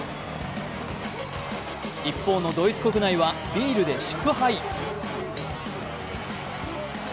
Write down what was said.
一方のドイツ国内はビールで祝杯。